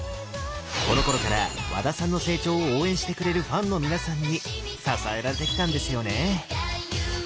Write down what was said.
このころから和田さんの成長を応援してくれるファンの皆さんに支えられてきたんですよね。